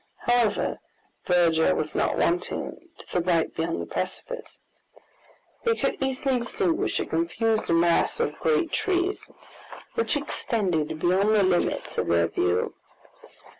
However, verdure was not wanting to the right beyond the precipice. They could easily distinguish a confused mass of great trees, which extended beyond the limits of their view.